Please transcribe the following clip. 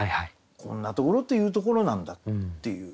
「こんなところと云ふところ」なんだっていう。